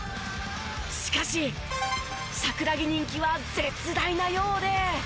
しかし桜木人気は絶大なようで。